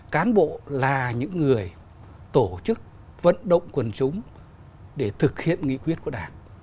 cán bộ là những người tổ chức vận động quần chúng để thực hiện nghị quyết của đảng